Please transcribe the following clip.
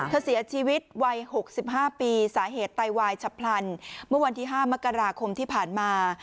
เสียชีวิตวัย๖๕ปีสาเหตุไตวายฉับพลันเมื่อวันที่๕มกราคมที่ผ่านมา